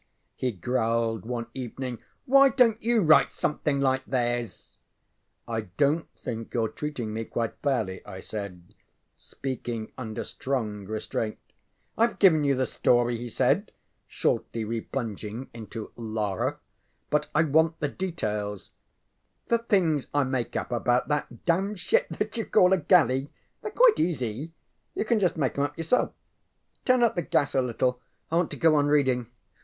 ŌĆØ he growled, one evening. ŌĆ£Why donŌĆÖt you write something like theirs? ŌĆØ ŌĆ£I donŌĆÖt think youŌĆÖre treating me quite fairly, ŌĆØ I said, speaking under strong restraint. ŌĆ£IŌĆÖve given you the story, ŌĆØ he said, shortly replunging into ŌĆ£Lara.ŌĆØ ŌĆ£But I want the details. ŌĆØ ŌĆ£The things I make up about that damned ship that you call a galley? TheyŌĆÖre quite easy. You can just make ŌĆśem up yourself. Turn up the gas a little, I want to go on reading.